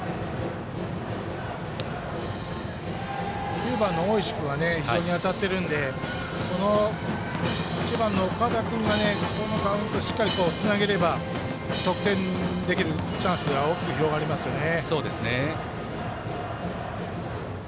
９番の大石君は非常に当たっているのでこの１番の岡田君がこの場面をしっかりつなげれば得点できるチャンスが大きく広がりますよね。